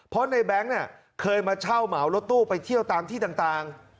เพราะในแบงค์เนี่ยเคยมาเช่าเหมารถตู้ไปเที่ยวตามที่ต่าง